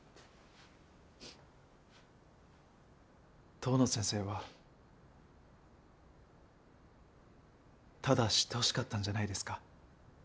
遠野先生はただ知ってほしかったんじゃないですか？